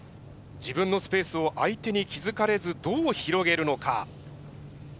自分のスペースを相手に気付かれずどう広げるのか。